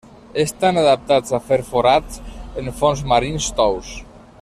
Estan adaptats a fer forats en fons marins tous.